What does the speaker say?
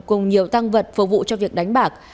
cùng nhiều tăng vật phục vụ cho việc đánh bạc